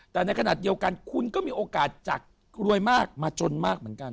แต่ในขณะเดียวกันคุณก็มีโอกาสจากรวยมากมาจนมากเหมือนกัน